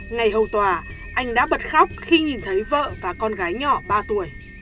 ngày hầu tòa anh đã bật khóc khi nhìn thấy vợ và con gái nhỏ ba tuổi